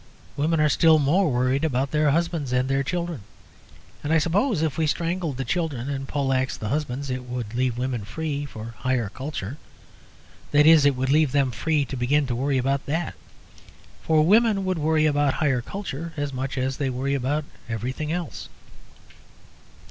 Women are still more worried about their husbands and their children. And I suppose if we strangled the children and poleaxed the husbands it would leave women free for higher culture. That is, it would leave them free to begin to worry about that. For women would worry about higher culture as much as they worry about everything else.